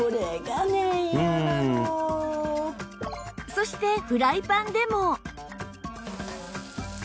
そしてフライパンでも